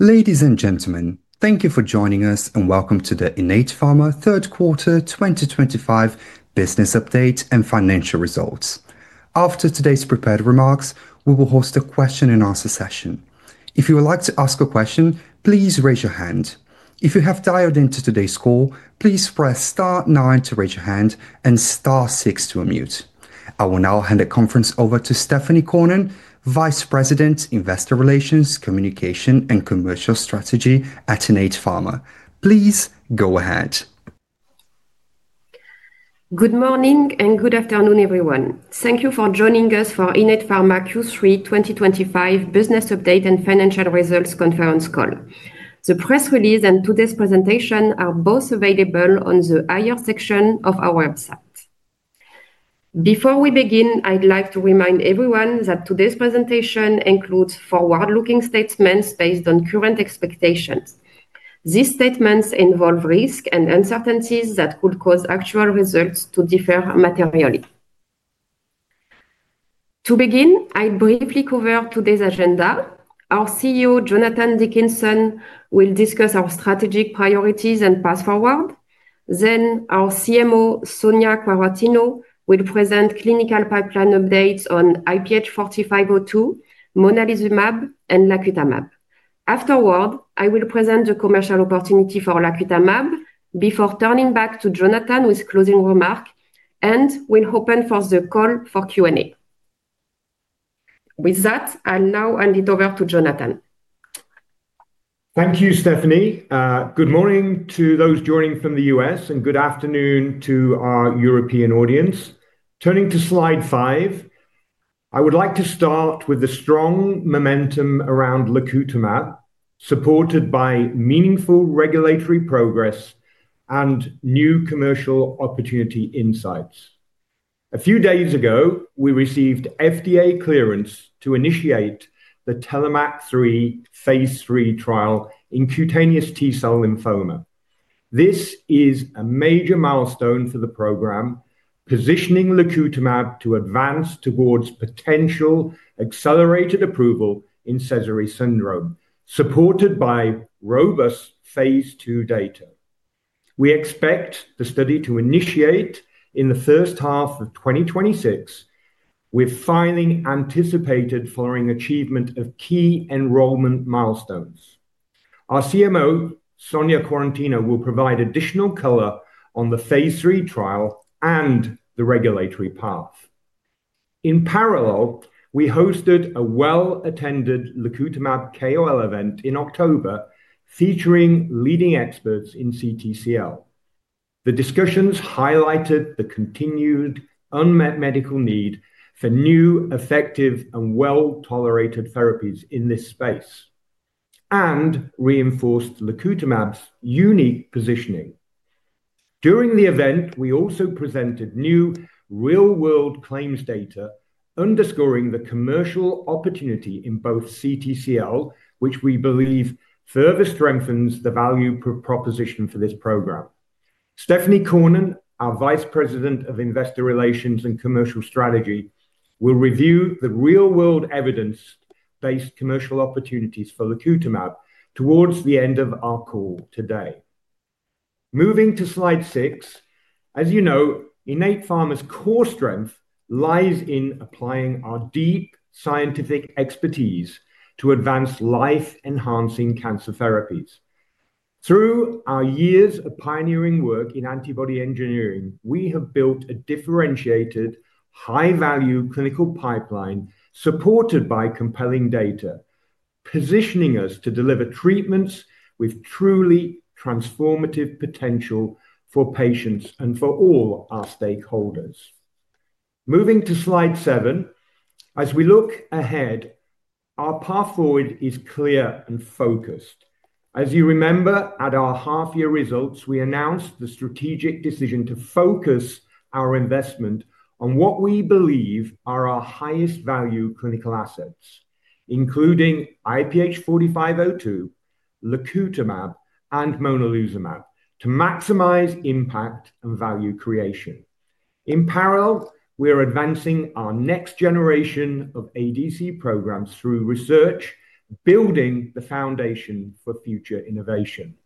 Ladies and gentlemen, thank you for joining us and welcome to the Innate Pharma Q3 2025 business update and financial results. After today's prepared remarks, we will host a question and answer session. If you would like to ask a question, please raise your hand. If you have dialed into today's call, please press star nine to raise your hand and star six to unmute. I will now hand the conference over to Stéphanie Cornen, Vice President, Investor Relations, Communication, and Commercial Strategy at Innate Pharma. Please go ahead. Good morning and good afternoon, everyone. Thank you for joining us for Innate Pharma Q3 2025 business update and financial results conference call. The press release and today's presentation are both available on the IR section of our website. Before we begin, I'd like to remind everyone that today's presentation includes forward-looking statements based on current expectations. These statements involve risks and uncertainties that could cause actual results to differ materially. To begin, I briefly cover today's agenda. Our CEO, Jonathan Dickinson, will discuss our strategic priorities and path forward. Then our CMO, Sonia Quaratino, will present clinical pipeline updates on IPH4502, Monalizumab, and Lacutamab. Afterward, I will present the commercial opportunity for Lacutamab before turning back to Jonathan with closing remarks, and we'll open the call for Q&A. With that, I'll now hand it over to Jonathan. Thank you, Stéphanie. Good morning to those joining from the U.S., and good afternoon to our European audience. Turning to slide five, I would like to start with the strong momentum around Lacutamab, supported by meaningful regulatory progress and new commercial opportunity insights. A few days ago, we received FDA clearance to initiate the TELLOMAK 3 phase III trial in cutaneous T-cell lymphoma. This is a major milestone for the program, positioning Lacutamab to advance towards potential accelerated approval in Sézary syndrome, supported by robust phase II data. We expect the study to initiate in the first half of 2026, with filing anticipated following achievement of key enrollment milestones. Our CMO, Sonia Quaratino, will provide additional color on the phase III trial and the regulatory path. In parallel, we hosted a well-attended Lacutamab KOL event in October featuring leading experts in CTCL. The discussions highlighted the continued unmet medical need for new, effective, and well-tolerated therapies in this space and reinforced Lacutamab's unique positioning. During the event, we also presented new real-world claims data, underscoring the commercial opportunity in both CTCL, which we believe further strengthens the value proposition for this program. Stéphanie Cornen, our Vice President of Investor Relations and Commercial Strategy, will review the real-world evidence-based commercial opportunities for Lacutamab towards the end of our call today. Moving to slide six, as you know, Innate Pharma's core strength lies in applying our deep scientific expertise to advance life-enhancing cancer therapies. Through our years of pioneering work in antibody engineering, we have built a differentiated, high-value clinical pipeline supported by compelling data, positioning us to deliver treatments with truly transformative potential for patients and for all our stakeholders. Moving to slide seven, as we look ahead, our path forward is clear and focused. As you remember, at our half-year results, we announced the strategic decision to focus our investment on what we believe are our highest-value clinical assets, including IPH4502, Lacutamab, and Monalizumab, to maximize impact and value creation. In parallel, we are advancing our next generation of ADC programs through research, building the foundation for future innovation.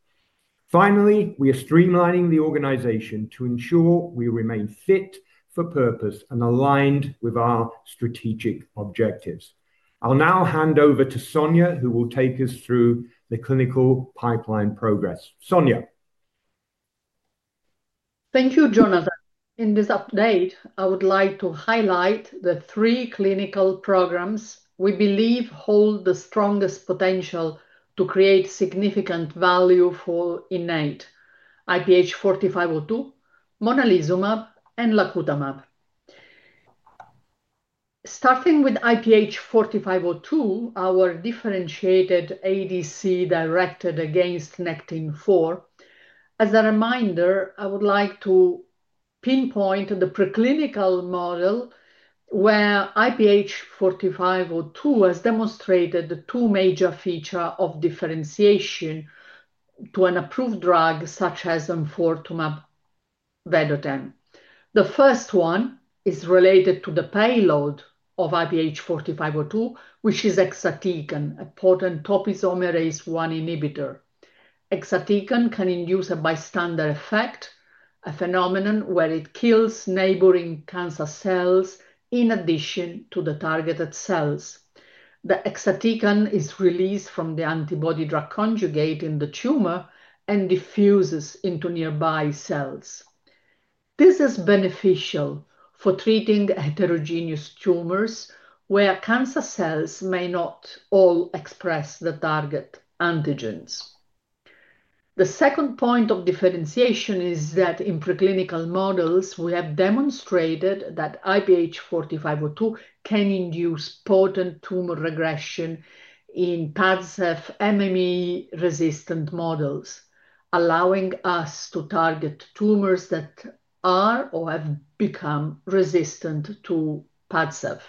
Finally, we are streamlining the organization to ensure we remain fit for purpose and aligned with our strategic objectives. I'll now hand over to Sonia, who will take us through the clinical pipeline progress. Sonia. Thank you, Jonathan. In this update, I would like to highlight the three clinical programs we believe hold the strongest potential to create significant value for Innate: IPH4502, Monalizumab, and Lacutamab. Starting with IPH4502, our differentiated ADC directed against NECTIN4. As a reminder, I would like to pinpoint the preclinical model where IPH4502 has demonstrated two major features of differentiation to an approved drug such as enfortumab vedotin. The first one is related to the payload of IPH4502, which is exatecan, a potent topoisomerase I inhibitor. Exatecan can induce a bystander effect, a phenomenon where it kills neighboring cancer cells in addition to the targeted cells. The exatecan is released from the antibody-drug conjugate in the tumor and diffuses into nearby cells. This is beneficial for treating heterogeneous tumors where cancer cells may not all express the target antigens. The second point of differentiation is that in preclinical models, we have demonstrated that IPH4502 can induce potent tumor regression in Padcev MME-resistant models, allowing us to target tumors that are or have become resistant to Padcev.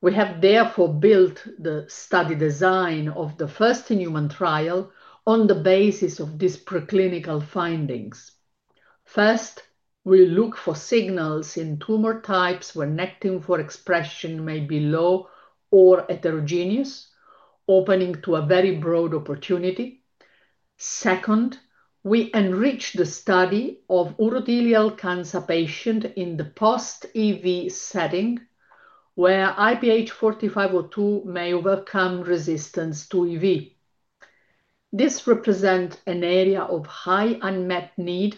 We have therefore built the study design of the first inhuman trial on the basis of these preclinical findings. First, we look for signals in tumor types where NECTIN4 expression may be low or heterogeneous, opening to a very broad opportunity. Second, we enrich the study of urothelial cancer patients in the post-EV setting, where IPH4502 may overcome resistance to EV. This represents an area of high unmet need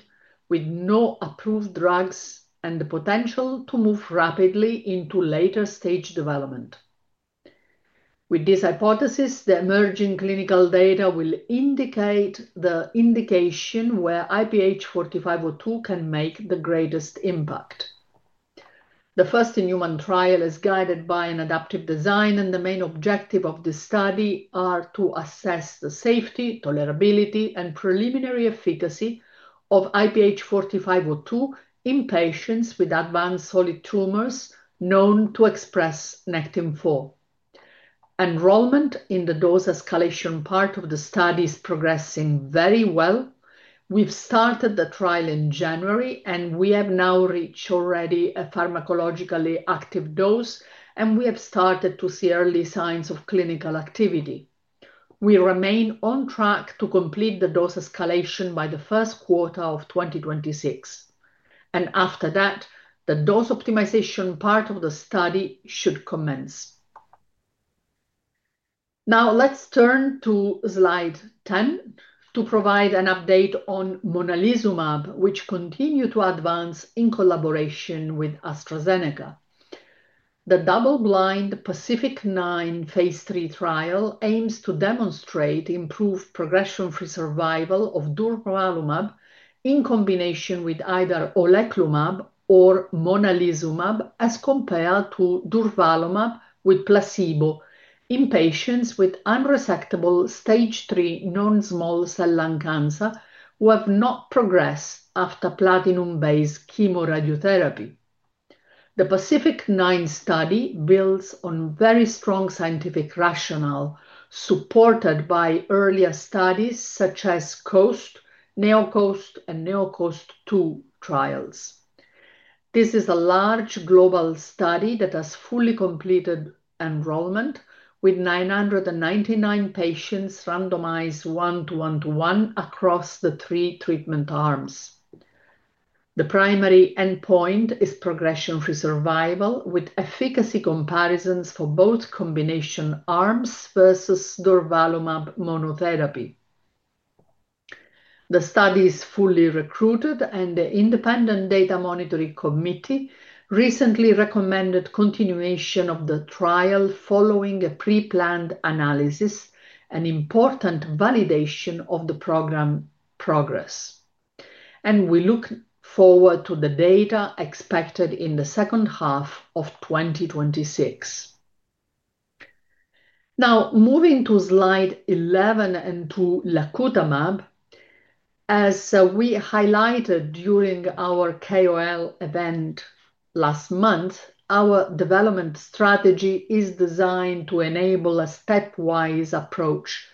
with no approved drugs and the potential to move rapidly into later stage development. With this hypothesis, the emerging clinical data will indicate the indication where IPH4502 can make the greatest impact. The first inhuman trial is guided by an adaptive design, and the main objective of the study is to assess the safety, tolerability, and preliminary efficacy of IPH4502 in patients with advanced solid tumors known to express NECTIN4. Enrollment in the dose escalation part of the study is progressing very well. We started the trial in January, and we have now reached already a pharmacologically active dose, and we have started to see early signs of clinical activity. We remain on track to complete the dose escalation by the first quarter of 2026. After that, the dose optimization part of the study should commence. Now, let's turn to slide 10 to provide an update on Monalizumab, which continues to advance in collaboration with AstraZeneca. The double-blind PACIFIC-9 phase III trial aims to demonstrate improved progression-free survival of Durvalumab in combination with either Oleclumab or Monalizumab, as compared to Durvalumab with placebo in patients with unresectable stage 3 non-small cell lung cancer who have not progressed after platinum-based chemoradiotherapy. The PACIFIC-9 study builds on very strong scientific rationale supported by earlier studies such as COAST, NeoCOAST, and NeoCOAST II trials. This is a large global study that has fully completed enrollment with 999 patients randomized one-to-one-to-one across the three treatment arms. The primary endpoint is progression-free survival with efficacy comparisons for both combination arms versus Durvalumab monotherapy. The study is fully recruited, and the independent data monitoring committee recently recommended continuation of the trial following a pre-planned analysis, an important validation of the program progress. We look forward to the data expected in the second half of 2026. Now, moving to slide 11 and to Lacutamab, as we highlighted during our KOL event last month, our development strategy is designed to enable a stepwise approach,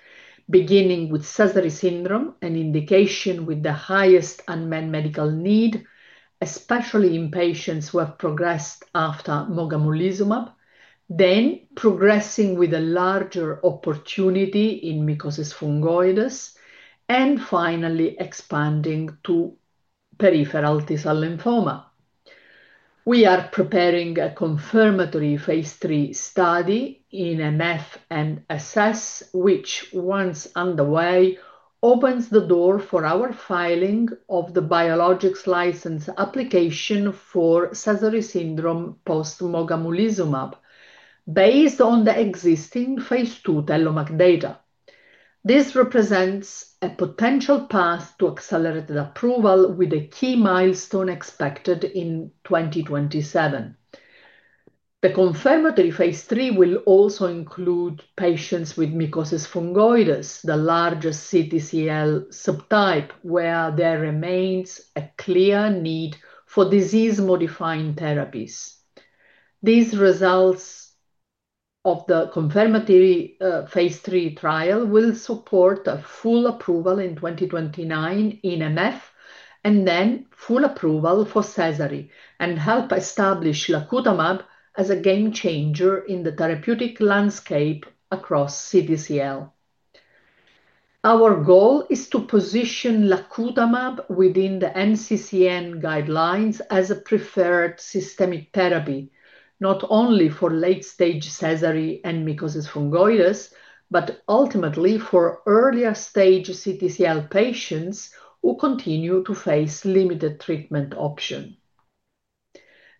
beginning with Sézary syndrome, an indication with the highest unmet medical need, especially in patients who have progressed after Mogamulizumab, then progressing with a larger opportunity in mycosis fungoides, and finally expanding to peripheral T-cell lymphoma. We are preparing a confirmatory phase III study in an FNSS, which, once underway, opens the door for our filing of the biologics license application for Sézary syndrome post-Mogamulizumab, based on the existing phase II TELLOMAK data. This represents a potential path to accelerated approval with a key milestone expected in 2027. The confirmatory phase III will also include patients with mycosis fungoides, the largest CTCL subtype, where there remains a clear need for disease-modifying therapies. These results of the confirmatory phase III trial will support a full approval in 2029 in MF and then full approval for Sézary and help establish Lacutamab as a game changer in the therapeutic landscape across CTCL. Our goal is to position Lacutamab within the NCCN guidelines as a preferred systemic therapy, not only for late-stage Sézary and mycosis fungoides, but ultimately for earlier-stage CTCL patients who continue to face limited treatment options.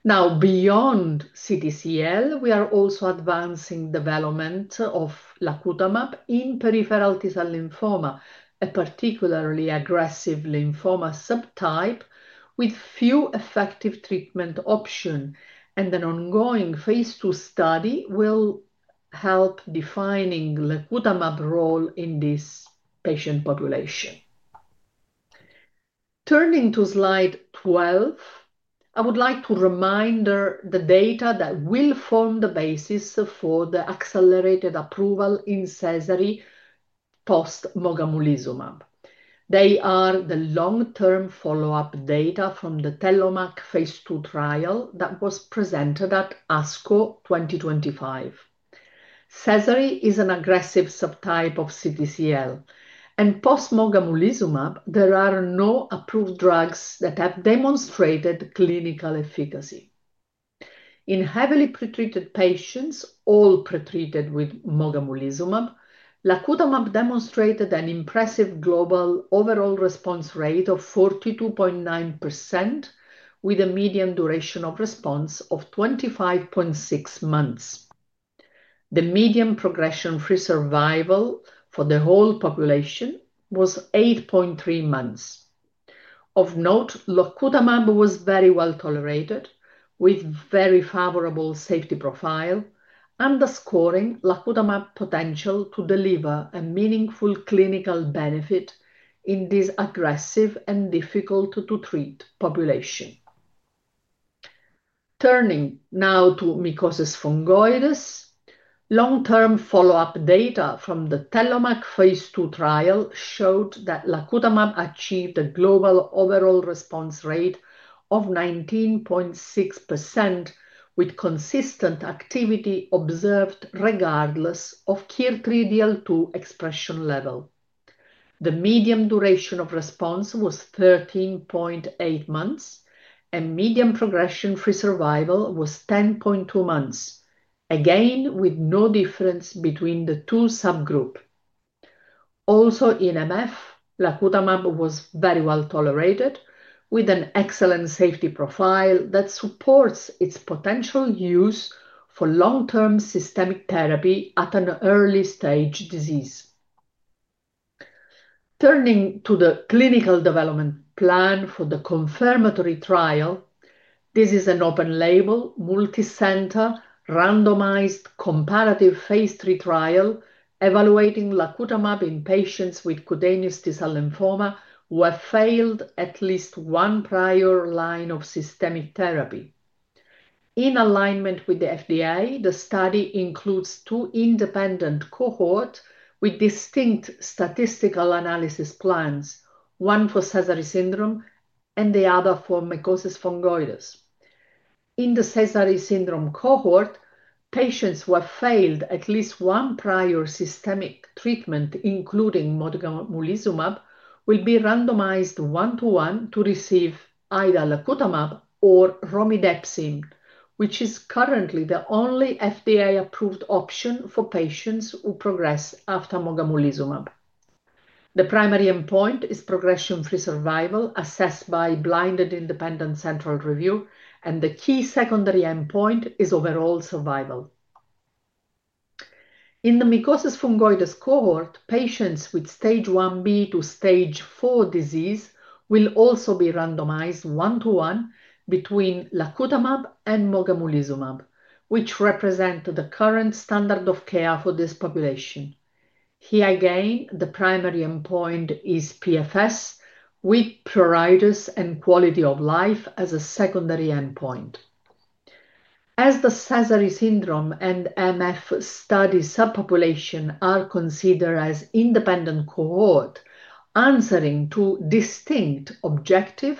Now, beyond CTCL, we are also advancing development of Lacutamab in peripheral T-cell lymphoma, a particularly aggressive lymphoma subtype with few effective treatment options, and an ongoing phase II study will help define Lacutamab's role in this patient population. Turning to slide 12, I would like to remind the data that will form the basis for the accelerated approval in Sézary post-Mogamulizumab. They are the long-term follow-up data from the TELLOMAK phase II trial that was presented at ASCO 2025. Sézary syndrome is an aggressive subtype of CTCL, and post-Mogamulizumab, there are no approved drugs that have demonstrated clinical efficacy. In heavily pretreated patients, all pretreated with Mogamulizumab, Lacutamab demonstrated an impressive global overall response rate of 42.9%, with a median duration of response of 25.6 months. The median progression-free survival for the whole population was 8.3 months. Of note, Lacutamab was very well tolerated, with a very favorable safety profile, underscoring Lacutamab's potential to deliver a meaningful clinical benefit in this aggressive and difficult-to-treat population. Turning now to mycosis fungoides, long-term follow-up data from the TELLOMAK phase II trial showed that Lacutamab achieved a global overall response rate of 19.6%, with consistent activity observed regardless of KIR3DL2 expression level. The median duration of response was 13.8 months, and median progression-free survival was 10.2 months, again with no difference between the two subgroups. Also in MF, Lacutamab was very well tolerated, with an excellent safety profile that supports its potential use for long-term systemic therapy at an early-stage disease. Turning to the clinical development plan for the confirmatory trial, this is an open-label, multi-center, randomized comparative phase III trial evaluating Lacutamab in patients with cutaneous T-cell lymphoma who have failed at least one prior line of systemic therapy. In alignment with the FDA, the study includes two independent cohorts with distinct statistical analysis plans, one for Sézary syndrome and the other for mycosis fungoides. In the Sézary syndrome cohort, patients who have failed at least one prior systemic treatment, including Mogamulizumab, will be randomized one-to-one to receive either Lacutamab or Romidepsin, which is currently the only FDA-approved option for patients who progress after Mogamulizumab. The primary endpoint is progression-free survival assessed by blinded independent central review, and the key secondary endpoint is overall survival. In the mycosis fungoides cohort, patients with stage IB to stage IV disease will also be randomized one-to-one between Lacutamab and Mogamulizumab, which represent the current standard of care for this population. Here again, the primary endpoint is PFS with pruritus and quality of life as a secondary endpoint. As the Sézary syndrome and MF study subpopulation are considered as independent cohorts answering to distinct objectives,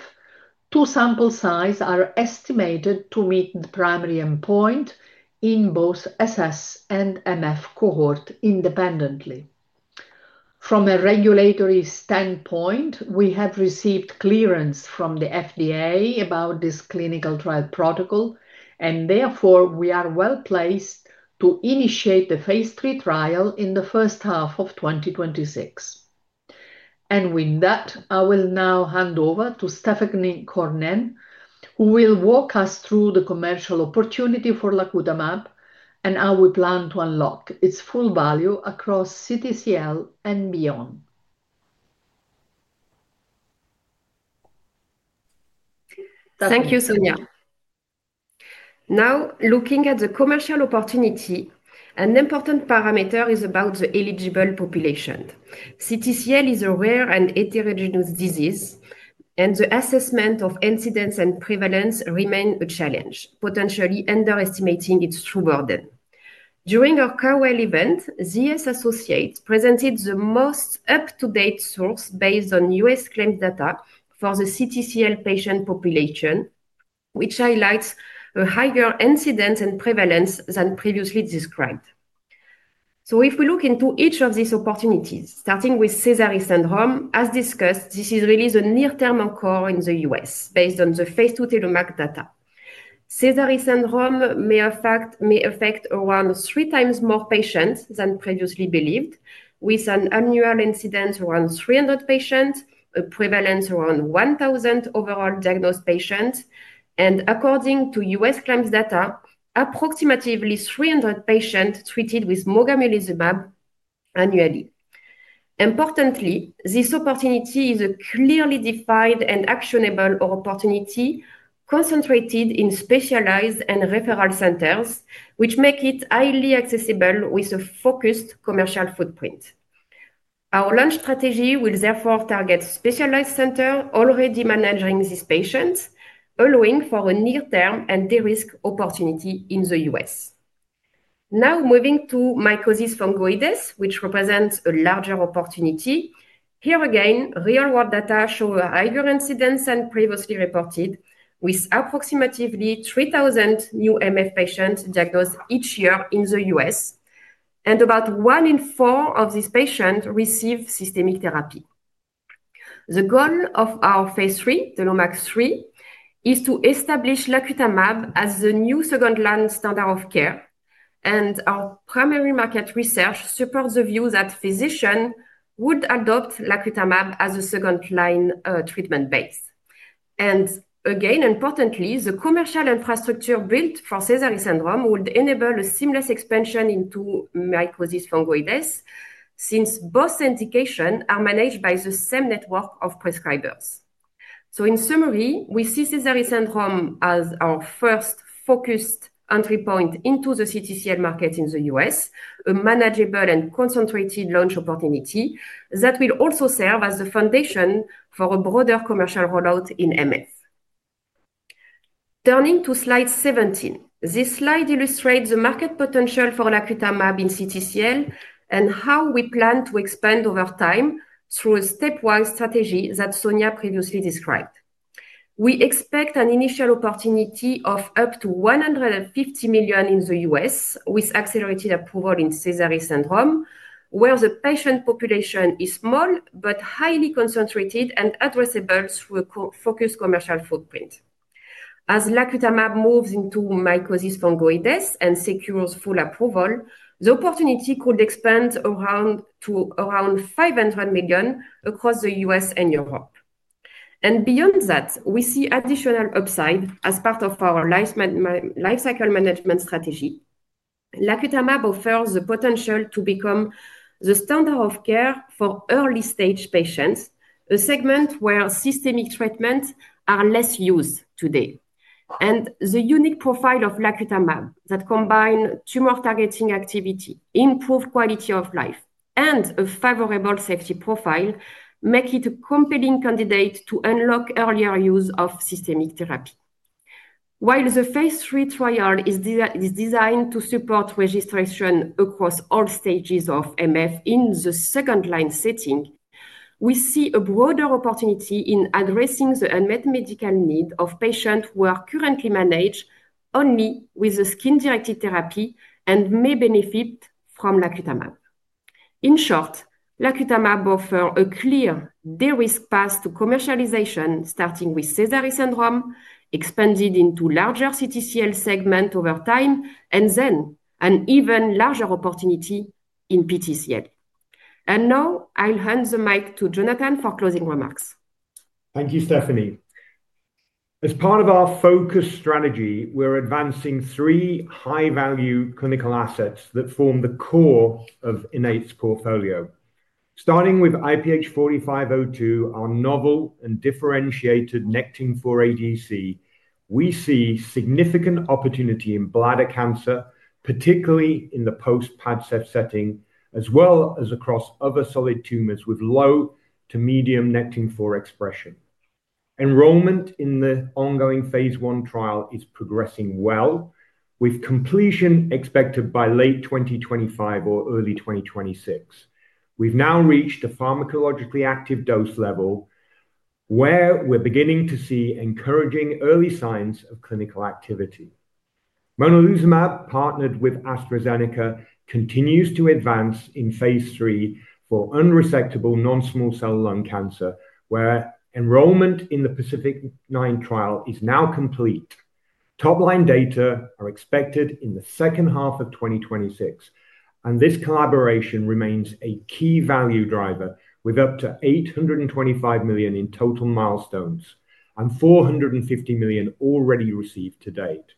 two sample sizes are estimated to meet the primary endpoint in both SS and MF cohorts independently. From a regulatory standpoint, we have received clearance from the FDA about this clinical trial protocol, and therefore we are well placed to initiate the phase III trial in the first half of 2026. With that, I will now hand over to Stéphanie Cornen, who will walk us through the commercial opportunity for Lacutamab and how we plan to unlock its full value across CTCL and beyond. Thank you, Sonia. Now, looking at the commercial opportunity, an important parameter is about the eligible population. CTCL is a rare and heterogeneous disease, and the assessment of incidence and prevalence remains a challenge, potentially underestimating its true burden. During our KOL event, ZS Associates presented the most up-to-date source based on US claim data for the CTCL patient population, which highlights a higher incidence and prevalence than previously described. If we look into each of these opportunities, starting with Sézary syndrome, as discussed, this is really the near-term core in the U.S. based on the phase II TELLOMAK data. Sézary syndrome may affect around three times more patients than previously believed, with an annual incidence around 300 patients, a prevalence around 1,000 overall diagnosed patients, and according to U.S. claims data, approximately 300 patients treated with Mogamulizumab annually. Importantly, this opportunity is a clearly defined and actionable opportunity concentrated in specialized and referral centers, which make it highly accessible with a focused commercial footprint. Our launch strategy will therefore target specialized centers already managing these patients, allowing for a near-term and de-risked opportunity in the U.S. Now, moving to mycosis fungoides, which represents a larger opportunity. Here again, real-world data show a higher incidence than previously reported, with approximately 3,000 new MF patients diagnosed each year in the U.S., and about one in four of these patients receive systemic therapy. The goal of our phase III, TELLOMAK 3, is to establish Lacutamab as the new second-line standard of care, and our primary market research supports the view that physicians would adopt Lacutamab as a second-line treatment base. Importantly, the commercial infrastructure built for Sézary syndrome would enable a seamless expansion into mycosis fungoides since both indications are managed by the same network of prescribers. In summary, we see Sézary syndrome as our first focused entry point into the CTCL market in the U.S., a manageable and concentrated launch opportunity that will also serve as the foundation for a broader commercial rollout in MF. Turning to slide 17, this slide illustrates the market potential for Lacutamab in CTCL and how we plan to expand over time through a stepwise strategy that Sonia previously described. We expect an initial opportunity of up to $150 million in the U.S. with accelerated approval in Sézary syndrome, where the patient population is small but highly concentrated and addressable through a focused commercial footprint. As Lacutamab moves into mycosis fungoides and secures full approval, the opportunity could expand to around $500 million across the U.S. and Europe. Beyond that, we see additional upside as part of our lifecycle management strategy. Lacutamab offers the potential to become the standard of care for early-stage patients, a segment where systemic treatments are less used today. The unique profile of Lacutamab that combines tumor-targeting activity, improved quality of life, and a favorable safety profile make it a compelling candidate to unlock earlier use of systemic therapy. While the phase III trial is designed to support registration across all stages of MF in the second-line setting, we see a broader opportunity in addressing the unmet medical needs of patients who are currently managed only with skin-directed therapy and may benefit from Lacutamab. In short, Lacutamab offers a clear de-risk path to commercialization, starting with Sézary syndrome, expanding into larger CTCL segments over time, and then an even larger opportunity in PTCL. I will hand the mic to Jonathan for closing remarks. Thank you, Stéphanie. As part of our focus strategy, we're advancing three high-value clinical assets that form the core of Innate's portfolio. Starting with IPH4502, our novel and differentiated NECTIN4 ADC, we see significant opportunity in bladder cancer, particularly in the post-Padcev setting, as well as across other solid tumors with low to medium NECTIN4 expression. Enrollment in the ongoing phase I trial is progressing well, with completion expected by late 2025 or early 2026. We've now reached a pharmacologically active dose level where we're beginning to see encouraging early signs of clinical activity. Monalizumab, partnered with AstraZeneca, continues to advance in phase III for unresectable non-small cell lung cancer, where enrollment in the PACIFIC-9 trial is now complete. Top-line data are expected in the second half of 2026, and this collaboration remains a key value driver with up to $825 million in total milestones and $450 million already received to date.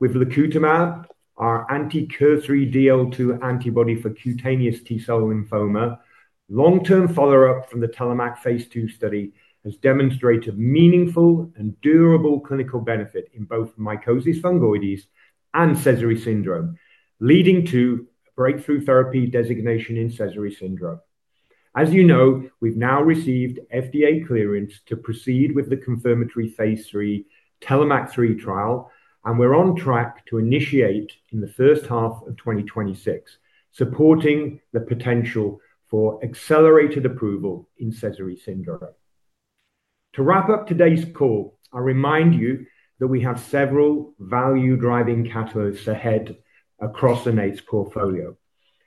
With Lacutamab, our anti-KIR3DL2 antibody for cutaneous T-cell lymphoma, long-term follow-up from the TELLOMAK phase II study has demonstrated meaningful and durable clinical benefit in both mycosis fungoides and Sézary syndrome, leading to Breakthrough Therapy Designation in Sézary syndrome. As you know, we have now received FDA clearance to proceed with the confirmatory phase III TELLOMAK 3 trial, and we are on track to initiate in the first half of 2026, supporting the potential for accelerated approval in Sézary syndrome. To wrap up today's call, I remind you that we have several value-driving catalysts ahead across Innate's portfolio.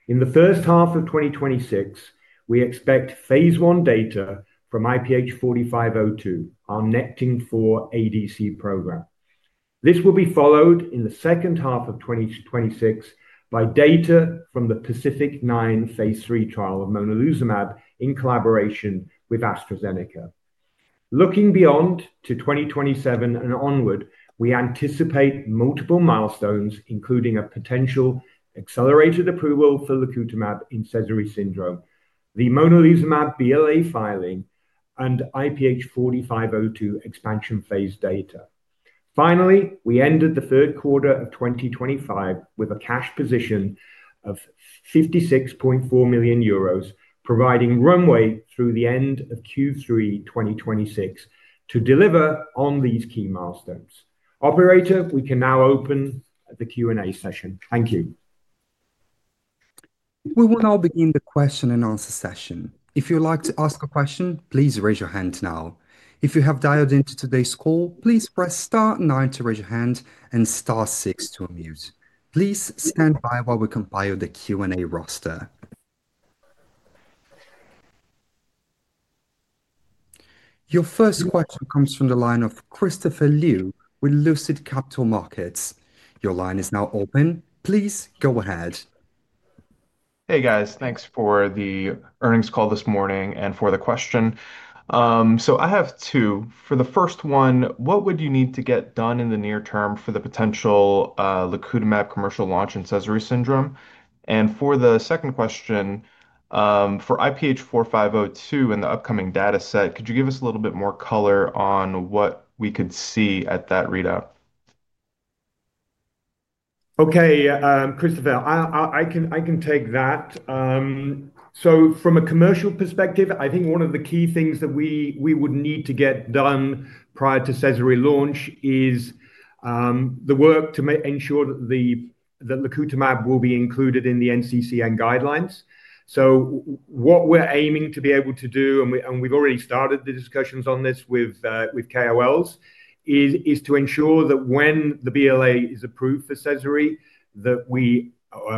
In the first half of 2026, we expect phase I data from IPH4502, our NECTIN4 ADC program. This will be followed in the second half of 2026 by data from the PACIFIC-9 phase III trial of Monalizumab in collaboration with AstraZeneca. Looking beyond to 2027 and onward, we anticipate multiple milestones, including a potential accelerated approval for Lacutamab in Sézary syndrome, the Mogamulizumab BLA filing, and IPH4502 expansion phase data. Finally, we ended the third quarter of 2025 with a cash position of 56.4 million euros, providing runway through the end of Q3 2026 to deliver on these key milestones. Operator, we can now open the Q&A session. Thank you. We will now begin the question and answer session. If you'd like to ask a question, please raise your hand now. If you have dialed into today's call, please press star nine to raise your hand and star six to unmute. Please stand by while we compile the Q&A roster. Your first question comes from the line of Christopher Liu with Lucid Capital Markets. Your line is now open. Please go ahead. Hey, guys. Thanks for the earnings call this morning and for the question. I have two. For the first one, what would you need to get done in the near term for the potential Lacutamab commercial launch in Sézary syndrome? For the second question, for IPH4502 and the upcoming data set, could you give us a little bit more color on what we could see at that readout? Okay, Christopher, I can take that. From a commercial perspective, I think one of the key things that we would need to get done prior to Sézary launch is the work to ensure that Lacutamab will be included in the NCCN guidelines. What we're aiming to be able to do, and we've already started the discussions on this with KOLs, is to ensure that when the BLA is approved for Sézary, that we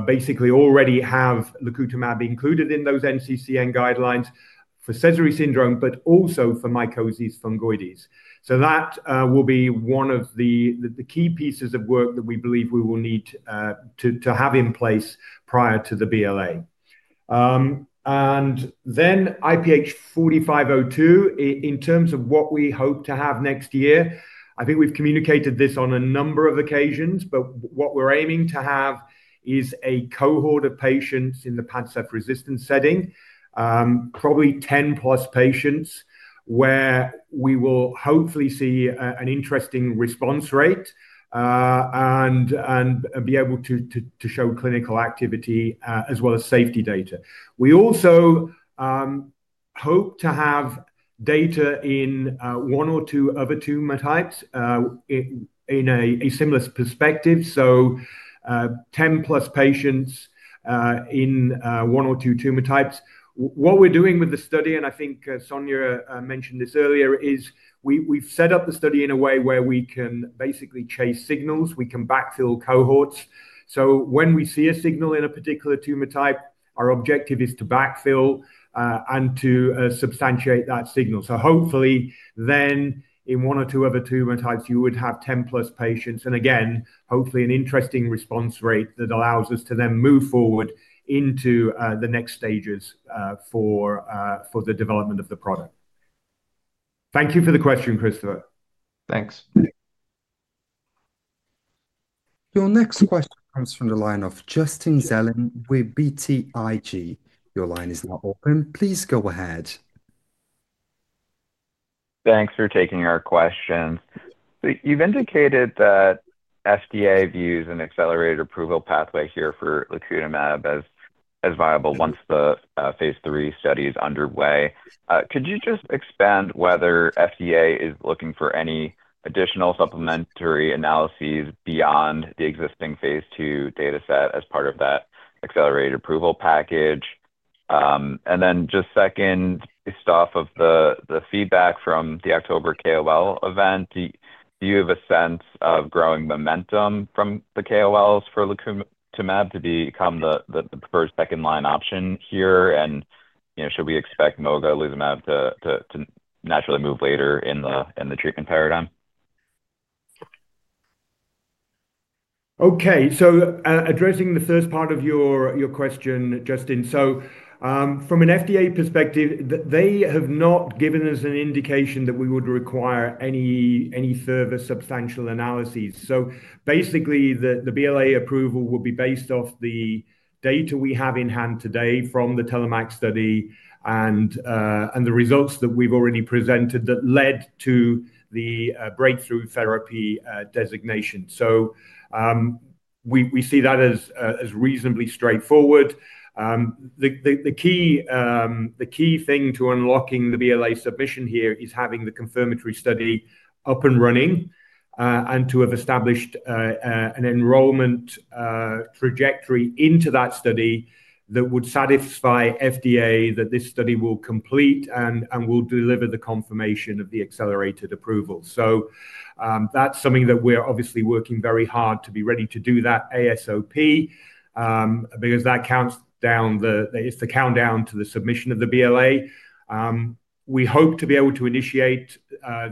basically already have Lacutamab included in those NCCN guidelines for Sézary syndrome, but also for mycosis fungoides. That will be one of the key pieces of work that we believe we will need to have in place prior to the BLA. IPH4502, in terms of what we hope to have next year, I think we've communicated this on a number of occasions, but what we're aiming to have is a cohort of patients in the Padcev resistance setting, probably 10-plus patients, where we will hopefully see an interesting response rate and be able to show clinical activity as well as safety data. We also hope to have data in one or two other tumor types in a similar perspective. So 10-plus patients in one or two tumor types. What we're doing with the study, and I think Sonia mentioned this earlier, is we've set up the study in a way where we can basically chase signals. We can backfill cohorts. When we see a signal in a particular tumor type, our objective is to backfill and to substantiate that signal. Hopefully, then in one or two other tumor types, you would have 10-plus patients. Again, hopefully, an interesting response rate that allows us to then move forward into the next stages for the development of the product. Thank you for the question, Christopher. Thanks. Your next question comes from the line of Justin Zellin with BTIG. Your line is now open. Please go ahead. Thanks for taking our questions. You've indicated that FDA views an accelerated approval pathway here for Lacutamab as viable once the phase III study is underway. Could you just expand whether FDA is looking for any additional supplementary analyses beyond the existing phase II data set as part of that accelerated approval package? Second, on the feedback from the October KOL event, do you have a sense of growing momentum from the KOLs for Lacutamab to become the preferred second-line option here? Should we expect Mogamulizumab to naturally move later in the treatment paradigm? Okay. Addressing the first part of your question, Justin, from an FDA perspective, they have not given us an indication that we would require any further substantial analyses. Basically, the BLA approval would be based off the data we have in hand today from the TELLOMAK study and the results that we've already presented that led to the Breakthrough Therapy Designation. We see that as reasonably straightforward. The key thing to unlocking the BLA submission here is having the confirmatory study up and running and to have established an enrollment trajectory into that study that would satisfy the FDA that this study will complete and will deliver the confirmation of the accelerated approval. That's something that we're obviously working very hard to be ready to do at ASCO because that counts down, it's the countdown to the submission of the BLA. We hope to be able to initiate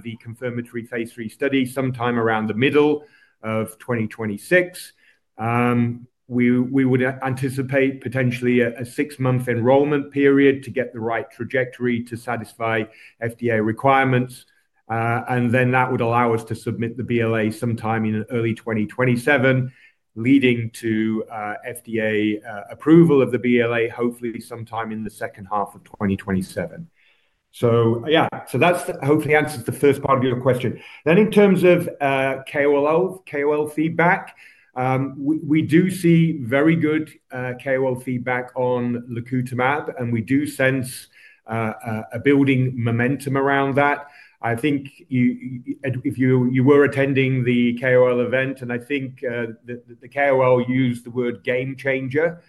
the confirmatory phase III study sometime around the middle of 2026. We would anticipate potentially a six-month enrollment period to get the right trajectory to satisfy FDA requirements. That would allow us to submit the BLA sometime in early 2027, leading to FDA approval of the BLA, hopefully sometime in the second half of 2027. Yeah, that hopefully answers the first part of your question. In terms of KOL feedback, we do see very good KOL feedback on Lacutamab, and we do sense a building momentum around that. I think if you were attending the KOL event, I think the KOL used the word game changer,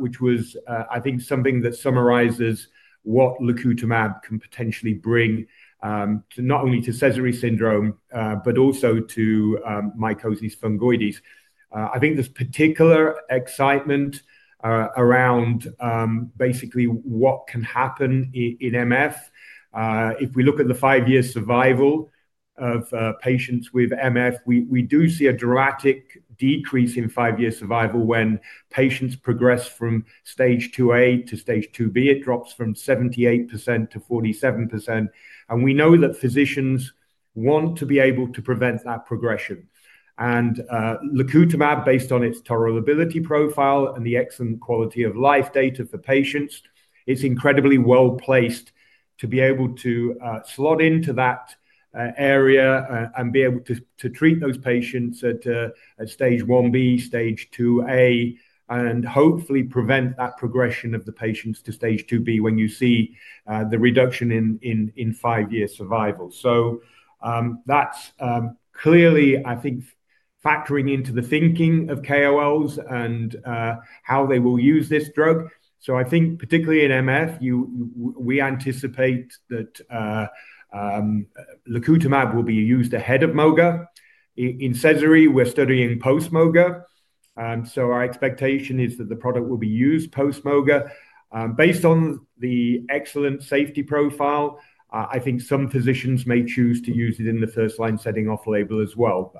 which was, I think, something that summarizes what Lacutamab can potentially bring not only to Sézary syndrome but also to mycosis fungoides. I think there is particular excitement around basically what can happen in MF. If we look at the five-year survival of patients with MF, we do see a dramatic decrease in five-year survival when patients progress from stage 2A to stage 2B. It drops from 78%-47%. We know that physicians want to be able to prevent that progression. Lacutamab, based on its tolerability profile and the excellent quality of life data for patients, is incredibly well placed to be able to slot into that area and be able to treat those patients at stage 1B, stage 2A, and hopefully prevent that progression of the patients to stage 2B when you see the reduction in five-year survival. That is clearly, I think, factoring into the thinking of KOLs and how they will use this drug. I think, particularly in MF, we anticipate that Lacutamab will be used ahead of Moga. In Sézary, we're studying post-Moga. Our expectation is that the product will be used post-Moga. Based on the excellent safety profile, I think some physicians may choose to use it in the first-line setting off-label as well.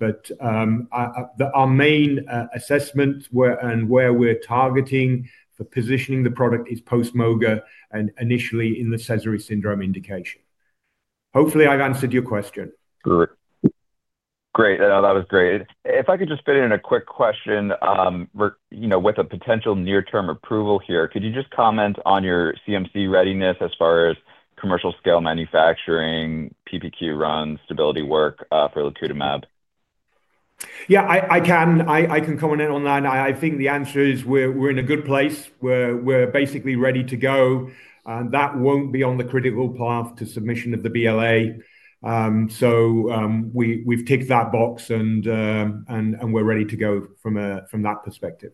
Our main assessment and where we're targeting for positioning the product is post-Moga and initially in the Sézary syndrome indication. Hopefully, I've answered your question. Great. That was great. If I could just fit in a quick question with a potential near-term approval here, could you just comment on your CMC readiness as far as commercial-scale manufacturing, PPQ runs, stability work for Lacutamab? Yeah, I can. I can comment on that. I think the answer is we're in a good place. We're basically ready to go. That will not be on the critical path to submission of the BLA. We have ticked that box, and we're ready to go from that perspective.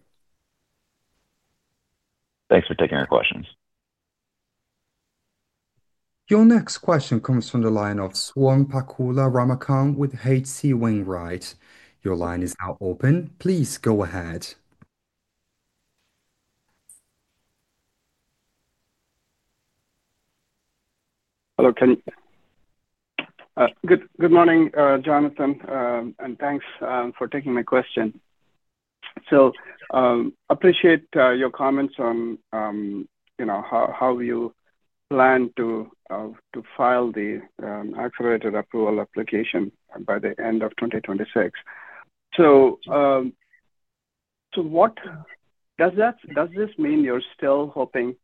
Thanks for taking our questions. Your next question comes from the line of Swayampakula Ramakanth with HC Wainwright. Your line is now open. Please go ahead. Hello. Good morning, Jonathan, and thanks for taking my question. I appreciate your comments on how you plan to file the accelerated approval application by the end of 2026. Does this mean you're still hoping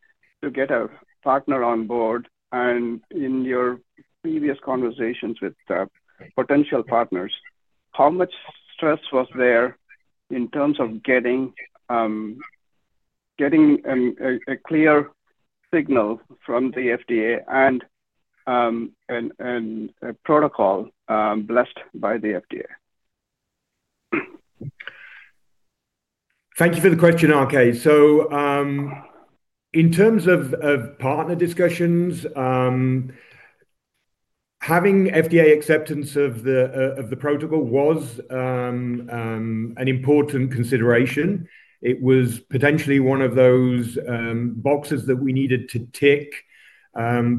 to get a partner on board? In your previous conversations with potential partners, how much stress was there in terms of getting a clear signal from the FDA and a protocol blessed by the FDA? Thank you for the question, Swayampakula. In terms of partner discussions, having FDA acceptance of the protocol was an important consideration. It was potentially one of those boxes that we needed to tick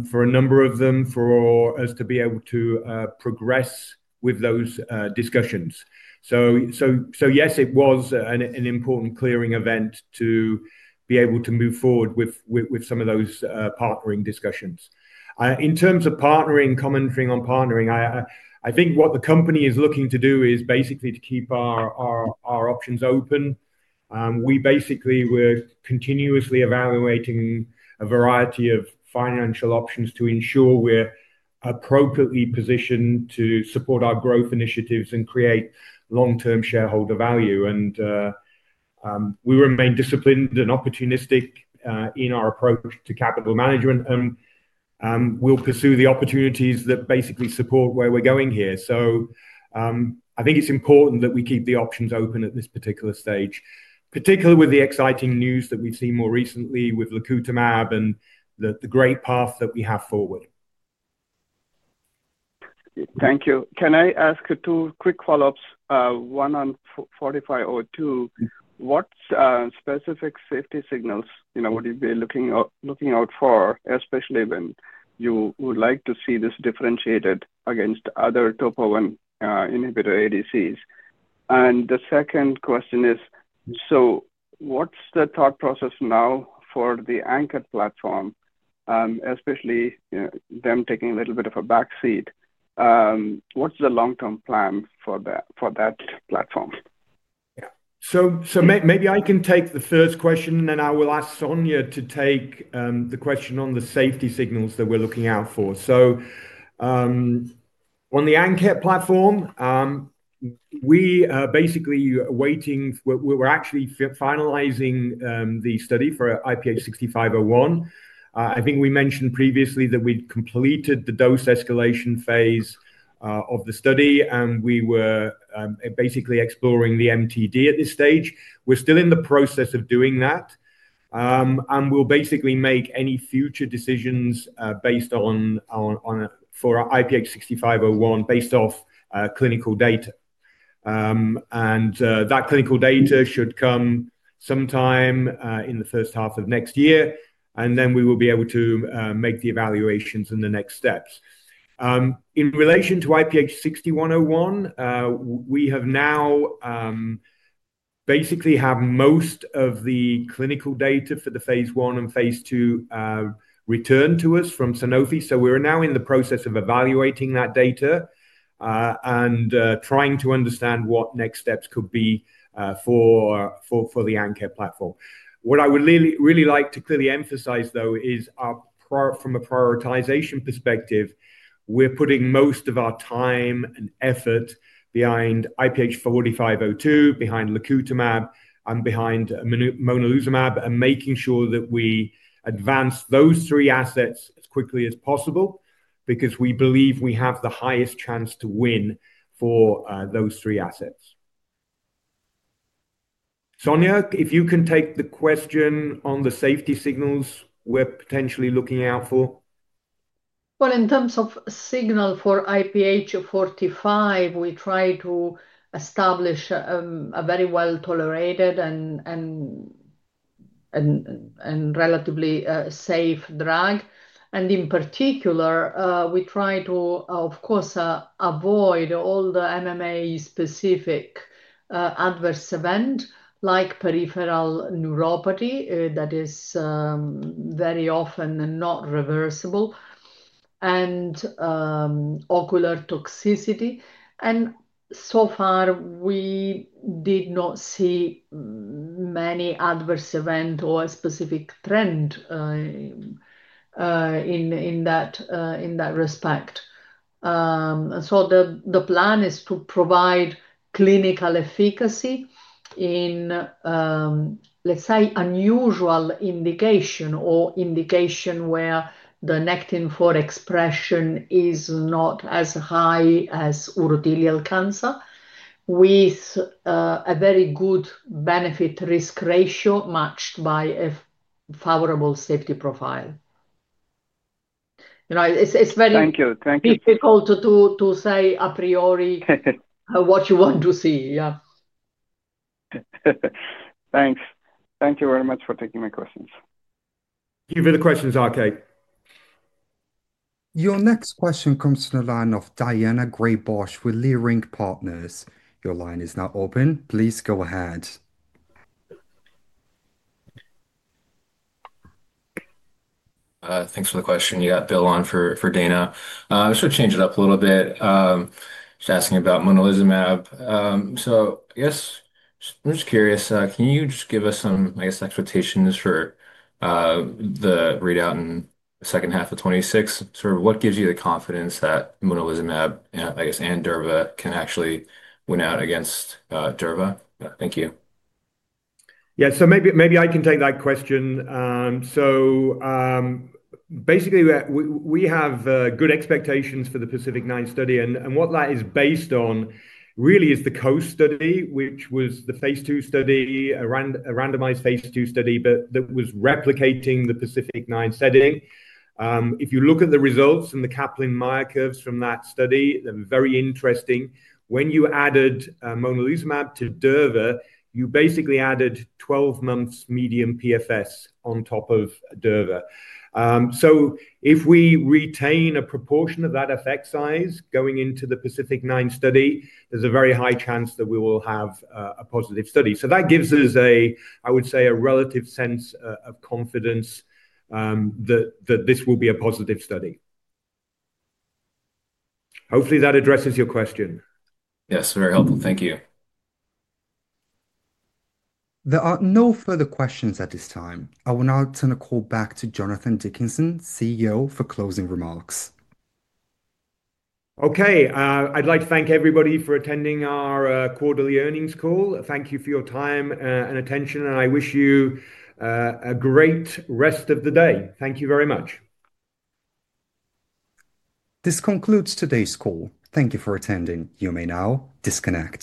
for a number of them for us to be able to progress with those discussions. Yes, it was an important clearing event to be able to move forward with some of those partnering discussions. In terms of partnering, commenting on partnering, I think what the company is looking to do is basically to keep our options open. We basically were continuously evaluating a variety of financial options to ensure we're appropriately positioned to support our growth initiatives and create long-term shareholder value. We remain disciplined and opportunistic in our approach to capital management, and we'll pursue the opportunities that basically support where we're going here. I think it's important that we keep the options open at this particular stage, particularly with the exciting news that we've seen more recently with Lacutamab and the great path that we have forward. Thank you. Can I ask two quick follow-ups? One on 4502, what specific safety signals would you be looking out for, especially when you would like to see this differentiated against other topo-1 inhibitor ADCs? The second question is, what's the thought process now for the Anchor platform, especially them taking a little bit of a backseat? What's the long-term plan for that platform? Yeah. Maybe I can take the first question, and then I will ask Sonia to take the question on the safety signals that we're looking out for. On the Anchor platform, we are basically waiting. We're actually finalizing the study for IPH6501. I think we mentioned previously that we'd completed the dose escalation phase of the study, and we were basically exploring the MTD at this stage. We're still in the process of doing that. We'll basically make any future decisions for IPH6501 based off clinical data. That clinical data should come sometime in the first half of next year, and then we will be able to make the evaluations and the next steps. In relation to IPH6101, we now basically have most of the clinical data for the phase I and phase II returned to us from Sanofi. We are now in the process of evaluating that data and trying to understand what next steps could be for the ANKET platform. What I would really like to clearly emphasize, though, is from a prioritization perspective, we are putting most of our time and effort behind IPH4502, behind Lacutamab, and behind Mogamulizumab, and making sure that we advance those three assets as quickly as possible because we believe we have the highest chance to win for those three assets. Sonia, if you can take the question on the safety signals we are potentially looking out for. In terms of signal for IPH4502, we try to establish a very well-tolerated and relatively safe drug. In particular, we try to, of course, avoid all the MMAE-specific adverse events like peripheral neuropathy that is very often not reversible and ocular toxicity. So far, we did not see many adverse events or a specific trend in that respect. The plan is to provide clinical efficacy in, let's say, unusual indication or indication where the NECTIN4 expression is not as high as urothelial cancer with a very good benefit-risk ratio matched by a favorable safety profile. It is very difficult to say a priori what you want to see. Yeah. Thanks. Thank you very much for taking my questions. You have any questions, [Arcay]? Your next question comes from the line of Diana Graybosh with Leerink Partners. Your line is now open. Please go ahead. Thanks for the question. You got a bill on for Dana. I just want to change it up a little bit. Just asking about Mogamulizumab. So I guess I'm just curious, can you just give us some, I guess, expectations for the readout in the second half of 2026? Sort of what gives you the confidence that Mogamulizumab, I guess, and Durva can actually win out against Durva? Thank you. Yeah. Maybe I can take that question. Basically, we have good expectations for the PACIFIC-9 study. What that is based on really is the COAST study, which was the phase II study, a randomized phase II study, but that was replicating the PACIFIC-9 setting. If you look at the results and the Kaplan-Meier curves from that study, they're very interesting. When you added Mogamulizumab to Durvalumab, you basically added 12 months median PFS on top of Durvalumab. If we retain a proportion of that effect size going into the PACIFIC-9 study, there is a very high chance that we will have a positive study. That gives us, I would say, a relative sense of confidence that this will be a positive study. Hopefully, that addresses your question. Yes. Very helpful. Thank you. There are no further questions at this time. I will now turn the call back to Jonathan Dickinson, CEO, for closing remarks. I would like to thank everybody for attending our quarterly earnings call. Thank you for your time and attention, and I wish you a great rest of the day. Thank you very much. This concludes today's call. Thank you for attending. You may now disconnect.